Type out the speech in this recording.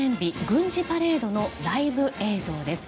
軍事パレードのライブ映像です。